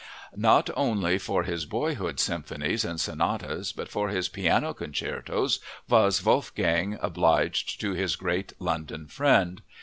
Not only for his boyhood symphonies and sonatas but for his piano concertos was Wolfgang obliged to his great London friend.